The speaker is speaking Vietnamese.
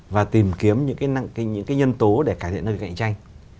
và tìm kiếm những nhân tố để cải thiện nơi cạnh tranh